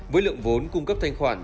với lượng vốn cung cấp thanh khoản